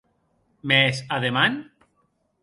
Mès, e deman?